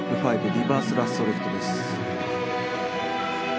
リバースラッソーリフトです。